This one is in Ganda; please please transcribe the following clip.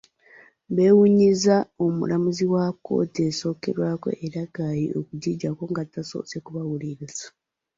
Beewuunyizza omulamuzi wa kkooti esookerwako e Rakai okugiggyako nga tasoose kubawuliriza.